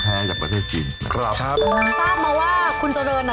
ปีละครั้งนะคะ